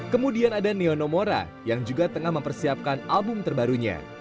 kemudian ada neonomora yang juga tengah mempersiapkan album terbarunya